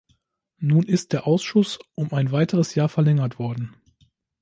Nun ist der Ausschuss um ein weiteres Jahr verlängert worden.